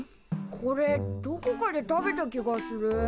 これどこかで食べた気がする。